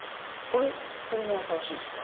これも新しいですか？